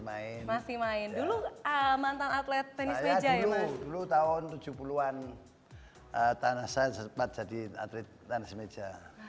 main presidensi main amantang atlet tenis meja maju tahun tujuh emi tanah sempat jadi atlet tenis meja